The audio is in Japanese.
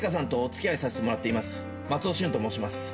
松尾駿と申します。